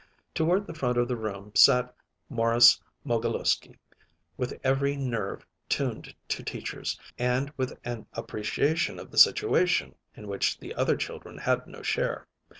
Toward the front of the room sat Morris Mogilewsky, with every nerve tuned to Teacher's, and with an appreciation of the situation in which the other children had no share.